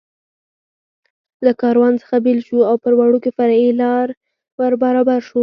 له کاروان څخه بېل شو او پر وړوکې فرعي لار ور برابر شو.